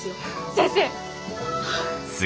先生。